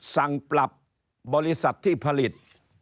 สั่งปรับบริษัทที่ผลิต